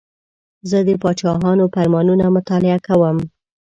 زه د پاچاهانو فرمانونه مطالعه کوم.